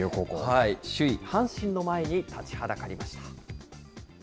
首位阪神の前に立ちはだかりました。